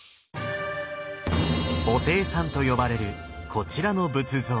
「布袋さん」と呼ばれるこちらの仏像。